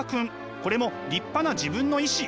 これも立派な自分の意志。